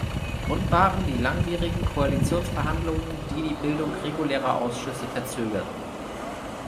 Grund waren die langwierigen Koalitionsverhandlungen, die die Bildung regulärer Ausschüsse verzögerten.